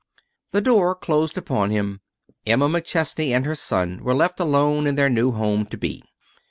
The door closed upon him. Emma McChesney and her son were left alone in their new home to be.